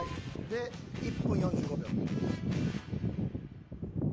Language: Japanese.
で１分４５秒。